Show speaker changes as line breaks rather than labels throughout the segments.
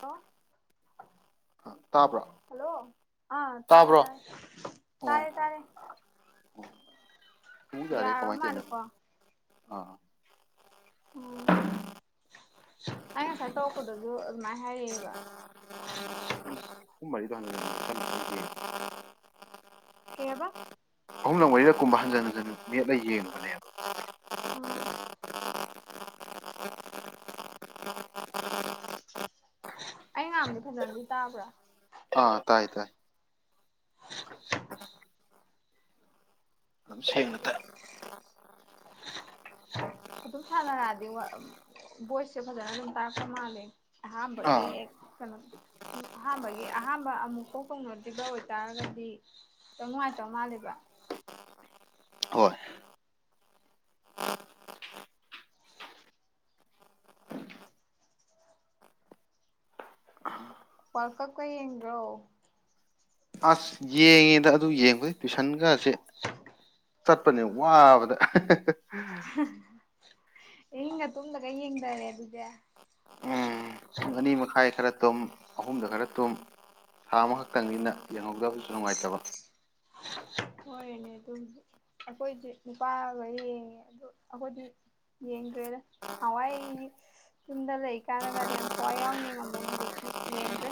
Hello
ꯇꯥꯕ꯭ꯔꯥ ꯇꯥꯕ꯭ꯔꯣ
hello ꯑꯥ ꯇꯥꯔꯦ
ꯇꯥꯕ꯭ꯔꯣ
ꯇꯥꯔꯦ
ꯑꯣ
ꯇꯥꯔꯦ ꯇꯥꯔꯦ
ꯑꯣ ꯄꯨꯡ ꯌꯥꯔꯦ
ꯌꯥꯔꯣ
ꯀꯃꯥꯏꯅ ꯇꯧꯔꯤꯅꯣ
ꯃꯥꯂꯦꯀꯣ
ꯑꯥ
ꯎꯝ ꯑꯩ ꯉꯁꯥꯏ ꯇꯣꯛꯄꯗꯁꯨ ꯑꯗꯨꯃꯥꯏꯅ ꯍꯥꯏꯔꯛꯑꯦꯕ
ꯎꯍ
ꯀꯦꯕ
ꯑꯍꯨꯝꯂꯛ ꯋꯥꯔꯤꯔꯛ ꯀꯨꯝꯕ ꯍꯟꯖꯤꯟ ꯍꯟꯖꯤꯟ ꯅꯦꯠꯂ ꯌꯦꯡꯕꯅꯦꯕ
ꯎꯝ ꯑꯩ ꯉꯥꯡꯕꯗꯤ ꯐꯖꯅꯗꯤ ꯇꯥꯕ꯭ꯔꯥ
ꯑꯥ ꯇꯥꯏ ꯇꯥꯏ ꯁꯅꯠꯇ
ꯑꯗꯨꯝ ꯁꯥꯟꯅꯔꯛꯑꯗꯤ ꯚꯣꯏꯁꯁꯦ ꯐꯖꯅ ꯑꯗꯨꯝ ꯇꯥꯔꯛꯄ ꯃꯥꯜꯂꯦ ꯍꯥꯥ ꯒꯤ
ꯑꯥ
ꯍꯦ ꯀꯩꯅꯣ ꯁꯨꯝ ꯑꯍꯥꯝꯕꯒꯤ ꯑꯍꯥꯝꯕ ꯑꯃꯨꯛ ꯀꯣꯛ ꯀꯣꯡꯅꯣꯗ꯭ꯕ ꯑꯣꯏꯇꯥꯔꯒꯗꯤ ꯈꯤꯇꯪ ꯅꯨꯡꯉꯥꯏꯇꯧ ꯃꯥꯜꯂꯦꯕ
ꯍꯣꯏ
ꯄꯀ ꯀꯣꯏ ꯌꯦ꯭ꯔꯣ
ꯑꯁ ꯌꯦꯡꯉꯦꯗ ꯑꯗꯨ ꯌꯦꯡꯕꯩ ꯇꯨꯏꯁꯟꯒꯁꯦ ꯆꯠꯄꯅꯦ ꯋꯥꯕꯗ
[unintelligible] ꯏꯪꯒ ꯇꯨꯝꯝꯗꯒ ꯌꯦꯡꯗꯔꯦ ꯑꯗꯨꯗꯤ
ꯑꯔꯤ ꯃꯈꯥꯏ ꯈꯔ ꯇꯨꯝ ꯑꯍꯨꯝꯗ ꯈꯔ ꯇꯨꯝ ꯊꯥ ꯑꯃꯈꯛꯇꯪꯅꯤꯅ ꯌꯦꯡꯍꯧꯗꯕꯁꯨ ꯅꯨꯡꯉꯥꯏꯇꯕ
ꯍꯣꯏꯔꯦꯅꯦ ꯑꯗꯨꯝꯗꯤ ꯑꯩꯈꯣꯏꯗꯤ ꯅꯨꯄꯥꯒ ꯌꯦꯡꯉꯦ ꯑꯗꯨꯗ ꯑꯩꯈꯣꯏꯗꯤ ꯌꯦꯡꯗ꯭ꯔꯦꯗ ꯅꯥꯟꯋꯥꯏ ꯌꯨꯝꯗ ꯂꯩ ꯀꯥꯟꯗ ꯀꯥꯟꯗ ꯌꯥꯝ ꯊꯋꯥꯏ ꯌꯥꯎꯅ ꯌꯦꯡꯉꯝꯕꯅꯦ ꯍꯧꯖꯤꯛꯇꯤ ꯌꯦꯡꯗ꯭ꯔꯦ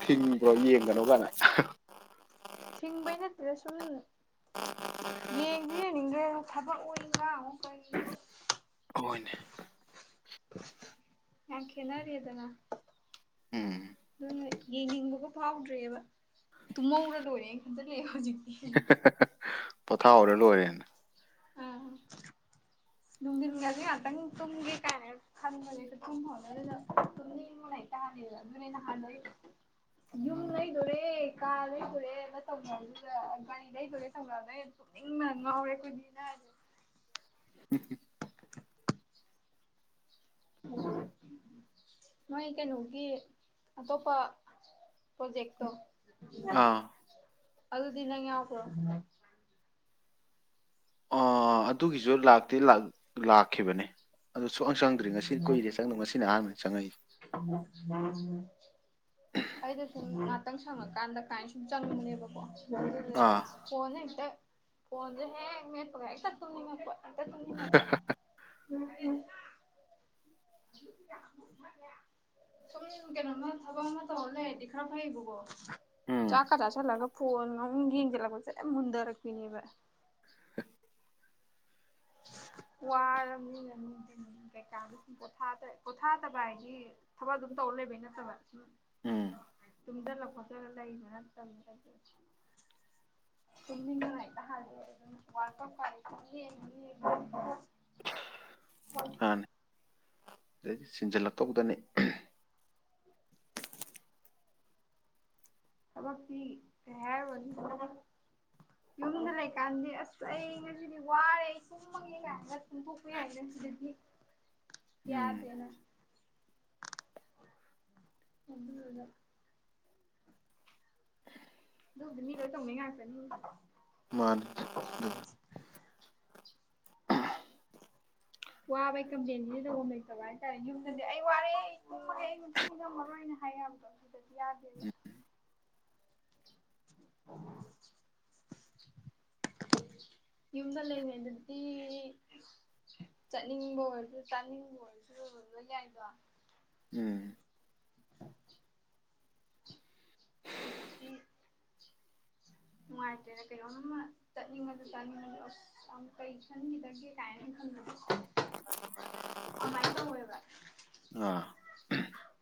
ꯊꯤꯡꯕ꯭ꯔꯣ ꯌꯦꯡꯒꯅꯨ ꯀꯥꯏꯅ
ꯊꯤꯡꯕꯩ ꯅꯠꯇꯗ ꯁꯨꯝ ꯌꯦꯡꯁꯨ ꯌꯦꯡꯅꯤꯡꯗ꯭ꯔꯦ ꯊꯕꯛ ꯑꯣꯏꯅꯤꯡꯕ ꯑꯃꯨꯛ ꯀꯔꯤ
ꯍꯣꯏꯅꯦ
ꯌꯥꯝ ꯈꯦꯅꯔꯦꯗꯅ
ꯎꯝ
ꯑꯗꯨꯅ ꯌꯦꯡꯅꯤꯡꯕꯒ ꯐꯥꯎꯗ꯭ꯔꯦꯕ ꯇꯨꯝꯍꯧꯔ ꯂꯣꯏꯔꯦ ꯈꯟꯖꯤꯜꯂꯛꯑꯦ ꯍꯧꯖꯤꯛꯇꯤ
ꯄꯣꯊꯥ ꯑꯣꯔꯂꯣ ꯑꯣꯏꯔꯦꯟ
ꯑꯝ ꯅꯨꯡꯊꯤꯟꯒꯁꯤ ꯉꯍꯥꯛꯇꯪ ꯇꯨꯝꯒꯦ ꯀꯥꯏꯅ ꯈꯟꯕꯅꯦꯦ ꯇꯨꯝꯍꯣꯗꯅ ꯇꯨꯝꯅꯤꯡꯕꯅ ꯍꯇꯥ ꯍꯦꯗ ꯑꯗꯨꯅꯩꯅ ꯍꯥꯟꯅꯩ ꯌꯨꯝ ꯂꯩꯗꯣꯔꯦ ꯀꯥ ꯂꯩꯗꯣꯔꯦ ꯑꯃꯅ ꯇꯧꯈꯗ ꯒꯥꯔꯤ ꯂꯩꯗꯣꯔꯦ ꯇꯧꯈ꯭ꯔꯗ ꯑ ꯇꯨꯝꯅꯤꯡ ꯉꯥꯎꯔꯦ ꯑꯩꯈꯣꯏꯗꯤ [unintelligible] ꯃꯣꯏ ꯀꯩꯅꯣꯒꯤ ꯑꯇꯣꯞꯄ ꯄ꯭ꯔꯣꯖꯦꯛꯇꯣ
ꯑꯥ
ꯑꯗꯨ ꯑꯗꯨꯗꯤꯅꯉꯎꯄꯣ
ꯑ ꯑꯗꯨꯒꯤꯁꯨ ꯂꯥꯛꯇꯤ ꯂꯥꯛꯈꯤꯕꯅꯦ ꯑꯗꯨ ꯁꯨꯡꯍꯪ ꯆꯪꯗ꯭ꯔꯔꯤ ꯉꯁꯤ ꯀꯨꯏꯔꯦ ꯆꯪꯗꯧ ꯉꯁꯤ ꯑꯍꯥꯟꯕꯅꯤ ꯆꯪꯉꯛꯏꯁꯦ
ꯗ ꯈꯤꯇꯪ ꯁꯪꯉꯀꯥꯟꯗ ꯀꯃꯥꯏꯅ ꯁꯨꯝ ꯆꯪꯉꯨꯅꯦꯕꯀꯣ
ꯑꯥ
ꯐꯅꯤ ꯏꯇ ꯐꯟ꯭ꯔꯦ ꯍꯦ ꯃꯦꯒ ꯊꯨꯝꯉ
[unintelligible]
ꯁꯨꯝ ꯀꯩꯅꯣꯃ ꯊꯕꯛ ꯑꯃ ꯇꯧꯍꯜꯂꯦꯗꯤ ꯈꯔ ꯐꯩꯌꯦꯕꯀꯣ
ꯎꯝ
ꯆꯥ ꯈꯗꯥ ꯆꯂꯒ ꯐꯣꯟ ꯉ ꯌꯦꯡꯁꯤꯠꯂꯛꯄꯁꯦ ꯃꯨꯟꯗꯔꯛꯄꯤꯅꯦꯕ
[unintelligible]
ꯋꯥꯔꯃꯤꯔ ꯀꯩꯀꯥꯗ ꯁꯨꯝ ꯄꯣ ꯄꯣꯊꯥꯗꯕ ꯍꯥꯏꯗꯤ ꯊꯕꯛ ꯑꯗꯨꯝ ꯇꯧꯔ ꯂꯩꯕꯩ ꯅꯠꯇꯕ ꯁꯨꯝ
ꯎꯝ
[unintelligible]
ꯁꯤꯗꯩꯗꯤ ꯁꯤꯟꯖꯜꯂꯛꯇꯧꯗꯅꯤ
ꯊꯕꯛꯇꯤ ꯀꯩ ꯍꯥꯏꯔꯨꯔꯅꯤ ꯌꯨꯝꯗ ꯂꯩꯀꯥꯟꯗꯤ ꯑꯁ ꯑꯩ ꯉꯁꯤꯗꯤ ꯋꯥꯔꯦ ꯑꯩ ꯁꯨꯝꯃꯒꯦ ꯀꯥꯏ ꯍꯥꯏꯒꯨꯝꯗꯣꯛꯄꯦ ꯍꯥꯏꯅ ꯁꯤꯗꯗꯤ
ꯎꯝ
ꯌꯥꯗꯦꯅ ꯑꯗꯨꯗꯨꯒ ꯗꯨ ꯃꯤ ꯂꯩ ꯊꯧꯅꯩ ꯉꯥꯛꯇꯥꯅꯤ
ꯃꯅꯦ
ꯋꯥꯕ ꯑꯩ ꯀꯝꯄ꯭ꯂꯦꯟꯅꯤꯗꯤ ꯇ ꯂꯩꯇꯕ ꯍꯥꯏꯇꯥꯔꯦ ꯌꯨꯝꯗꯗꯤ ꯑꯩ ꯋꯥꯔꯦ ꯍꯌꯦꯤ ꯉꯝ ꯃꯔꯣꯏꯅ ꯍꯥꯏꯕꯗꯗꯤ ꯌꯥꯗꯦꯕ ꯌꯨꯝꯗ ꯂꯩꯉꯩ ꯑꯗꯨꯗꯤ ꯆꯠꯅꯤꯡꯕ ꯑꯣꯏꯔꯁꯨ ꯆꯥꯅꯤꯡꯕ ꯑꯣꯏꯔꯁꯨꯕ ꯌꯥꯏꯗꯣ
ꯎꯝ
[unintelligible] ꯍꯧ ꯅꯨꯡꯉꯥꯏꯇꯦꯅ ꯀꯩꯅꯣ ꯑ ꯆꯠꯅꯤꯡꯕꯗꯨ ꯆꯠꯅꯤꯡ ꯀꯩ ꯈꯟꯈꯤꯗꯒꯦ ꯀꯥꯏꯅ ꯈꯟ ꯑꯃꯥꯏ ꯇ ꯑꯣꯏꯦꯕ
ꯑ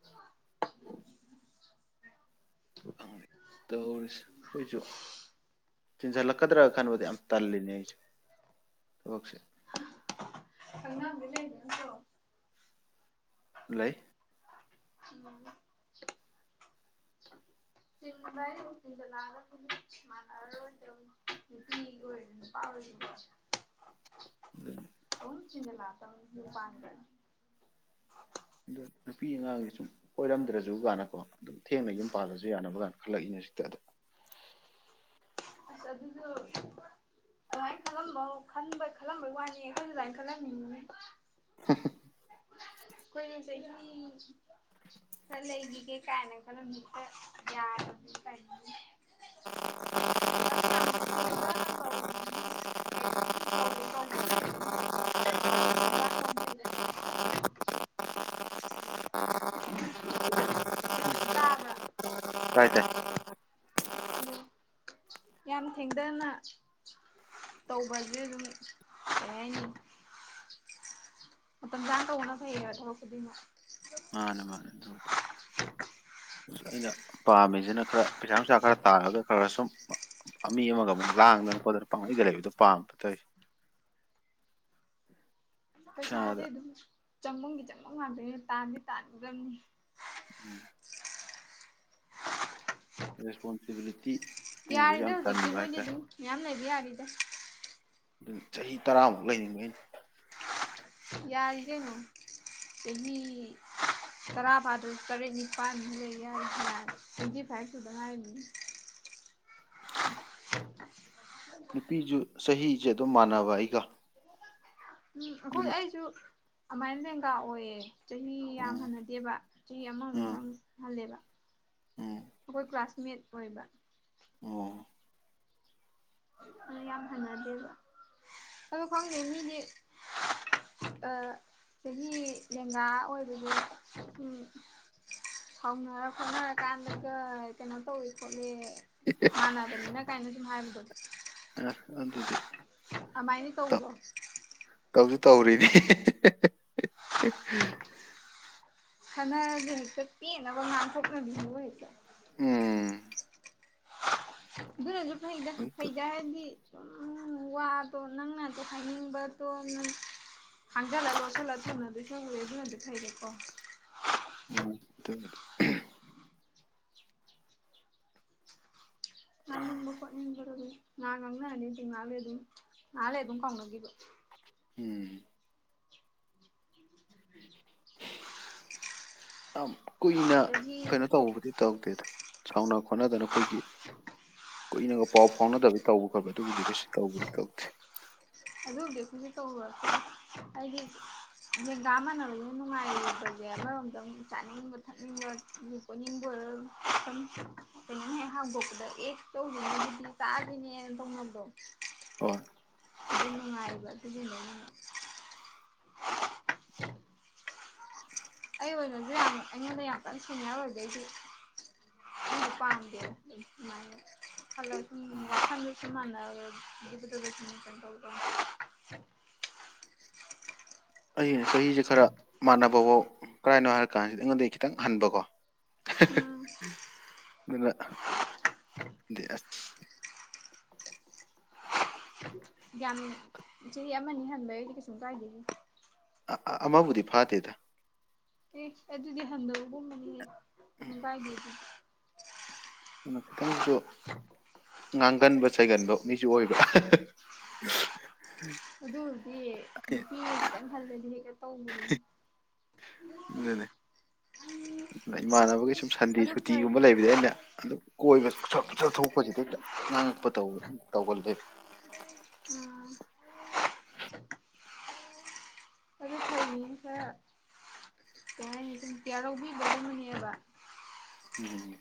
[unintelligible]
ꯇꯧꯔꯁꯤ ꯑꯈꯣꯏꯁꯨ ꯇꯤꯟꯖꯥꯂꯛꯀꯗ꯭ꯔꯥꯒ ꯈꯥꯟꯕꯨꯗꯤ ꯌꯥꯝ ꯇꯜꯜꯂꯤꯅꯦ ꯑꯩꯁꯨ ꯊꯁꯦ
ꯀꯉꯝꯂ ꯅꯁꯨ
ꯂꯩ
[unintelligible]
[unintelligible]
ꯂꯥꯛ ꯄꯥꯟꯒ
ꯑꯗ ꯅꯨꯄꯤ ꯑꯉꯥꯡꯒꯤ ꯁꯨꯝ ꯀꯣꯏꯔꯝꯗ꯭ꯔꯁꯨ ꯀꯥꯟꯅꯀꯣ ꯑꯗꯨꯝ ꯊꯦꯡꯅ ꯌꯨꯝ ꯄꯥꯗꯁꯨ ꯌꯥꯅꯕ ꯀꯥꯟꯗ ꯈꯜꯂꯛꯏꯅꯦ ꯁꯤ [unintelligible]
ꯑꯁ ꯑꯗꯨꯁꯨ ꯑꯗꯨꯃꯥꯏ ꯈꯜꯂꯝꯕꯟꯕ ꯈꯜꯂꯝꯕꯩ ꯋꯥꯅꯤ ꯑꯩꯈꯣꯏꯁꯨ ꯑꯗꯨꯃꯅ ꯈꯜꯂꯝꯅꯤꯡꯉꯤꯅꯦ
[unintelligible]
[unintelligible] ꯑꯗꯨ ꯌꯥꯝ ꯊꯦꯡꯊꯅ ꯇꯧ ꯇꯧꯗ ꯂꯩ ꯑꯗꯨꯅꯖꯥ ꯇꯧꯊꯩ ꯇꯥꯕ꯭ꯔꯥ
ꯇꯥꯏ ꯇꯥꯏ
ꯑꯗꯨ ꯌꯥꯝ ꯊꯦꯡꯊꯅ ꯇꯧꯕꯁꯦ ꯑꯗꯨꯝ ꯀꯩ ꯍꯥꯏꯅꯤ ꯃꯇꯝ ꯃꯇꯝꯪ ꯌꯥ ꯇꯧꯅꯁꯌꯦ ꯑ ꯊꯔ ꯈꯨꯗꯤꯅ
ꯃꯥꯅꯦ ꯃꯥꯅꯦ ꯑꯗꯨ ꯑꯁ ꯑꯩꯅ ꯄꯥꯝꯃꯤꯁꯤꯅ ꯈꯔ ꯄꯩꯁꯥ ꯅꯨꯡꯁꯥ ꯈꯔ ꯇꯥꯔꯒ ꯈꯔ ꯁꯨꯝ ꯃꯤ ꯑꯃꯒ ꯑꯃꯨꯛ ꯂꯥꯡꯗꯅ ꯈꯣꯠꯇꯅ ꯄꯥꯡꯂꯤꯩꯗ ꯂꯩꯕꯗꯨꯣ ꯄꯥꯝꯕ ꯇꯧꯏ
ꯄꯩꯁꯗꯤꯦ
ꯏꯁꯥꯗ
ꯑꯗꯨꯝ ꯆꯃꯝꯗꯤ ꯆꯪꯃꯝ ꯉꯥꯛꯇꯣꯏꯅꯦ ꯇꯥꯟꯗꯤ ꯇꯥꯟꯒꯗꯕꯅꯤ
ꯎꯝ ꯔꯦꯁꯄꯣꯟꯁꯤꯕꯂꯤꯇꯤ
ꯕꯤꯔꯔꯤꯗꯖꯤꯛꯇ ꯍꯗꯦ ꯑꯗꯨꯨ ꯌꯥꯝꯌꯥꯝ ꯂꯩꯕꯤꯍꯔꯤ ꯗ
ꯑꯗꯨ ꯆꯍꯤ ꯇꯔꯥꯃꯨꯛ ꯂꯩꯅꯤꯡꯉ ꯑꯩꯅ
ꯌꯥꯔꯤ ꯀꯩꯅꯣ ꯆꯍꯤꯦ ꯇꯔꯥ ꯐꯥꯗ ꯇꯔꯦꯠ ꯅꯤꯄꯥꯜ ꯂꯩ ꯌꯥꯔꯤꯁꯦ ꯌꯥ ꯇ꯭ꯋꯦꯟꯇꯤ ꯐꯥꯏꯚꯁꯨꯨ ꯑꯗꯨꯉꯥꯏꯅꯦ [unintelligible]
ꯅꯨꯄꯤꯁꯨ ꯆꯍꯤꯁꯦ ꯑꯗꯨꯝ ꯃꯥꯟꯅꯕ ꯑꯩꯒ
ꯎꯝ ꯑꯩꯈꯣꯏ
ꯑꯗꯨꯅ
ꯑꯩꯁꯨ ꯑꯗꯨꯃꯥꯏꯅ ꯂꯦꯡꯒꯥ ꯑꯣꯏꯌꯦ ꯆꯍꯤ ꯌꯥꯝ
ꯎꯝ
ꯍꯟꯅꯗꯦꯕ ꯆꯍꯤ
ꯎꯝ
ꯑꯃꯃꯨꯛꯇꯪ ꯍꯜꯂꯦꯕ
ꯎꯝ
ꯑꯩꯈꯣꯏ ꯀ꯭ꯂꯥꯁꯃꯦꯠ ꯑꯣꯏꯕ
ꯑꯣ
ꯑꯗ ꯌꯥꯝ ꯍꯅꯗꯦꯕ ꯑꯗꯣ ꯈꯪꯗꯦ ꯃꯤꯗꯤ ꯆꯍꯤ ꯂꯦꯡꯒꯥ ꯑꯣꯏꯕꯁ ꯁꯥꯎꯅꯔ ꯈꯣꯠꯅꯔꯀꯥꯟꯗꯒ ꯀꯩꯅꯣ ꯇꯧꯋꯦ ꯈꯣꯠꯂꯤ ꯃꯥꯟꯅꯕꯅꯤꯅ ꯀꯥꯏꯅ ꯑꯗꯨꯝ ꯍꯥꯏꯕꯗꯣ
ꯑꯁ ꯑꯗꯨꯗꯤ
ꯑꯗꯨꯃꯥꯏꯅ
ꯇꯧ
ꯇꯧꯕ꯭ꯔꯣ
ꯇꯧꯁꯨ ꯇꯧꯔꯤꯗꯤ
ꯍꯅ ꯍꯥꯏꯛꯇ ꯄꯤꯅ ꯃꯥꯁꯅ ꯍꯥꯏꯆ
ꯎꯝ
ꯑꯗꯨꯅꯁꯨ ꯐꯩꯗ
ꯑꯝꯇ
ꯐꯩꯗ ꯍꯥꯏꯔꯗꯤ ꯑꯗꯨꯝ ꯋꯥꯗꯣ ꯅꯪꯅ ꯍꯥꯏꯅꯤꯡꯕꯗꯣ ꯅꯪ ꯍꯥꯡꯖꯜꯂ ꯋꯥꯁꯜꯂꯛꯇꯅ ꯑꯗꯨꯁꯨ ꯍꯧꯋꯦ ꯑꯗꯨꯅꯗꯤ ꯐꯩꯔꯀꯣ
ꯎꯝ ꯑꯗꯨꯕꯨꯗꯤ
ꯅꯪ ꯏ ꯉꯉꯪ ꯑꯇ ꯅꯅꯥ ꯅꯅꯥ ꯑꯦ ꯑꯗꯨ ꯀꯣꯉ ꯀꯕ
ꯎꯝ ꯌꯥꯝ ꯀꯨꯏꯅ
ꯑꯗꯒꯤ
ꯀꯩꯅꯣ ꯇꯧꯕꯕꯨꯗꯤ ꯇꯧꯗꯦꯗ ꯆꯥꯎꯥꯎꯅ ꯍꯣꯠꯅꯗꯅ ꯑꯩꯈꯣꯏꯒꯤ ꯀꯨꯏꯅ ꯄꯥꯎ ꯐꯥꯎꯅꯗꯕꯩ ꯇꯧꯕ ꯈꯣꯕ ꯑꯗꯨꯕꯨꯗꯤ ꯀꯩꯁꯨ ꯇꯧꯕꯒꯅꯤ ꯇꯧꯗꯦ
ꯑꯗꯨꯕꯨꯗꯤ ꯑꯩꯈꯣꯏꯁꯦ ꯇꯧꯔ ꯍꯥꯏꯗꯤ ꯦꯟꯒꯥ ꯃꯥꯟꯅꯅꯕꯒ ꯅꯨꯡꯉꯥꯏꯕꯁꯦ ꯑꯃꯔꯣꯝꯗꯪ ꯆꯥꯅꯤꯡꯕ ꯊꯛꯅꯤꯡꯕ ꯀꯣꯅꯤꯡꯕ ꯑꯣꯏꯔ ꯀꯩꯅꯣꯝ ꯍꯦꯛ ꯍꯥꯡꯗꯣꯛꯄꯗ ꯑꯦ ꯇꯧꯗ꯭ꯉꯩꯒꯤꯗꯤ ꯆꯥꯗꯣꯏꯅꯦꯅ ꯊꯧꯅꯕꯗꯣ
ꯍ
ꯑꯗꯨ ꯃꯅꯨꯡꯉꯥꯏꯔꯕ ꯑꯗꯨꯗꯤ ꯂꯩꯉ [unintelligible] ꯑꯩ ꯑꯣꯏꯅꯁꯨ ꯌꯥꯝ ꯑꯩꯉꯣꯟꯗ ꯌꯥꯝ ꯀꯟꯅ ꯁꯤꯅꯤꯌꯔ ꯑꯣꯏꯗꯩꯁꯨ ꯁꯤ ꯄꯥꯝꯗꯦꯕ
ꯎꯝ
ꯁꯃꯥꯏꯅ ꯊꯜ ꯊꯪ [unintelligible] [unintelligible] [unintelligible]
ꯑꯩꯅ ꯆꯍꯤꯁꯦ ꯈꯔ ꯃꯥꯟꯅꯕꯐꯥꯎ ꯀꯔꯥꯏꯅꯣ ꯍꯥꯏꯔ ꯀꯥꯟꯁꯤꯗ ꯑꯩꯉꯣꯟꯗ ꯈꯤꯇꯪ ꯍꯟꯕꯀꯣ
ꯎꯝ
ꯑꯗꯨꯅꯗꯤ ꯑꯁ
ꯌꯥꯝꯃꯤ ꯆꯍꯤ ꯑꯃꯅꯤ ꯍꯟꯕ ꯑꯩꯗꯤ ꯀꯩꯁꯨꯝ ꯀꯥꯏꯗꯦꯒꯦ
ꯑꯃꯕꯨꯗꯤ ꯐꯥꯗꯦꯗ
ꯑꯦ ꯑꯗꯨꯗꯤ ꯍꯟꯊꯕꯒꯨꯝꯕꯅꯤꯦꯨꯝ ꯀꯥꯏꯗ
ꯑꯗꯨꯅ ꯈꯤꯇꯪꯁꯨ ꯉꯥꯡꯒꯟꯕ ꯁꯩꯒꯟꯕ ꯃꯤꯁꯨ ꯑꯣꯏꯕ ꯑꯍꯍꯍ
ꯑꯗꯨ ꯍꯧꯗꯤ ꯅꯨꯄꯤꯈꯜꯗꯗꯤ ꯍꯦꯛ ꯇꯧ
ꯑꯗꯨꯅꯦ ꯑꯗꯨꯅ ꯏꯃꯥꯟꯅꯕꯒꯤ ꯁꯨꯝ ꯁꯟꯗꯦ
ꯑꯗꯨ ꯐꯩ
ꯁꯨꯇꯤꯒꯨꯝꯕ ꯂꯩꯕꯗꯤ ꯑꯩꯅ ꯑꯗꯨꯝ ꯀꯣꯏꯕ ꯆ ꯊꯣꯛꯄꯁꯤ ꯍꯦꯛꯇ ꯉꯥꯡꯉꯛꯄ ꯇꯧꯒꯜꯂꯦꯕ
ꯎꯝ ꯑꯗꯨ ꯐ ꯈꯔ ꯀꯩ ꯍꯥꯏꯅꯤ ꯑꯗꯨꯝ ꯀꯤꯌꯥꯔꯧꯕꯤꯕꯕꯅꯦꯕ
ꯎꯝ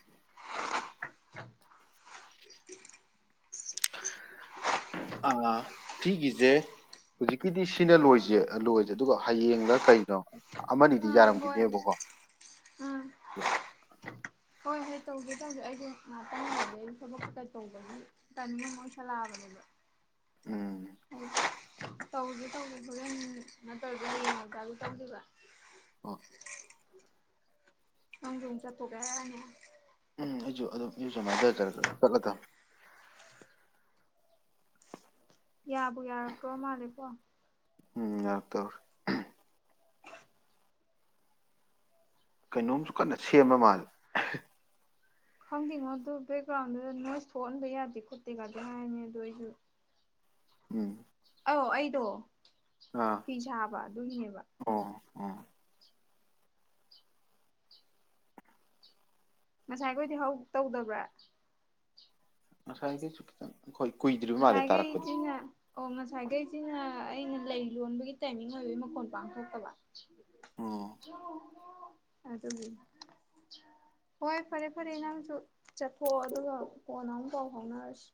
ꯑ ꯁꯤꯒꯤꯁꯦ ꯍꯧꯖꯤꯛꯀꯤꯗꯤ ꯁꯤꯅ ꯂꯣꯏꯁꯦ ꯂꯣꯏꯁꯦ ꯑꯗꯨꯒ ꯍꯌꯦꯡꯂꯅ ꯀꯩꯅꯣ ꯑꯃꯅꯤ ꯤ
ꯑꯥ ꯍꯣꯏ
ꯌꯥꯔꯝꯈꯤꯗꯦꯕꯀꯣ
ꯎꯝ ꯍꯣꯏ ꯍꯣꯏ ꯇꯧꯖꯦ ꯇꯧꯁꯦ ꯑꯩꯁꯦ ꯉꯥꯏꯍꯥꯛꯇꯪ ꯉꯒ ꯑꯩ ꯊꯕꯛꯛꯇ ꯇꯧꯕꯒꯤ ꯇꯅꯤꯡꯝ ꯑꯣꯏꯁꯜꯂꯛꯑꯕꯅꯦꯕ
ꯎꯝ
ꯇꯧꯁꯦ ꯇꯧꯁꯦ ꯐꯖꯦꯟ ꯅꯠꯇ꯭ꯔꯗ ꯌꯦꯡꯉꯀ ꯑꯗꯨ ꯇꯧꯗꯕ
ꯑꯣ
ꯍꯪ ꯆ ꯇꯣꯒꯅꯤ
ꯎꯝ ꯑꯩꯁꯨꯨ ꯑꯗꯨꯝ ꯑꯩꯁꯨꯃꯥꯏꯅꯖꯔ ꯆꯠꯂ ꯊꯝ
ꯌꯥꯕꯨ ꯌꯥꯔꯛꯇ꯭ꯔꯣ ꯃꯥꯜꯂꯦꯀꯣ
ꯎꯝ ꯌꯥ ꯇ ꯀꯩꯅꯣꯝꯁꯨ ꯀꯟꯅ ꯁꯦꯝꯕ ꯃꯥꯜꯂꯦ
ꯈꯪꯗꯦꯉꯣ ꯑꯗꯨ ꯕꯦꯛꯒ꯭ꯔꯥꯎꯟꯗꯨꯗ ꯅꯣꯏꯁ ꯊꯣꯛꯍꯟꯕ ꯌꯥꯗꯦ ꯈꯣꯠꯇꯦ ꯒꯗꯤ ꯍꯥꯏꯕꯅꯤ ꯑꯗꯨ ꯑꯩꯁꯨ꯫
ꯎꯝ
ꯑꯧ ꯑꯩꯗꯣ
ꯑꯥ
ꯐꯤ ꯁꯥꯕ ꯑꯗꯨꯒꯤꯅꯦꯕ
ꯑꯣ ꯑꯣ
ꯉꯁꯥꯏꯈꯣꯏꯗꯤ ꯍꯧ ꯇꯧꯗꯕ꯭ꯔ
ꯉꯁꯥꯏꯒꯩꯁꯨ ꯈꯤꯇꯡ ꯍꯣꯏ ꯀꯨꯏꯗ꯭ꯔꯤꯕ ꯃꯥꯜꯂꯦ ꯇꯥꯔꯛꯄꯗꯤ
ꯉꯁꯥꯏꯈꯩꯁꯤꯅ ꯑꯣ ꯉꯁꯥꯏꯈꯩꯁꯤꯅ ꯑꯩꯅ ꯂꯩ ꯂꯣꯟꯕꯒꯤ ꯇꯥꯏꯃꯤꯡ ꯑꯣꯏꯕꯒꯤ ꯃꯈꯣꯟ ꯄꯥꯡꯊꯣꯛꯇꯕ
ꯎꯝ
ꯑꯗꯨꯒꯤ ꯍꯣꯏ ꯐꯔꯦ ꯐꯔꯦ ꯅꯪꯁꯨ ꯆꯠꯊꯣꯛꯑꯣ ꯑꯗꯨꯒ ꯀꯣꯟꯅ ꯑꯃꯨꯛ ꯄꯥꯎ ꯐꯥꯎꯅꯔꯁꯤ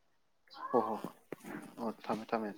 ꯑ
ꯍꯣ ꯍꯣ ꯍꯣꯏ ꯑꯣ ꯊꯝꯃꯦ ꯊꯝꯃꯦ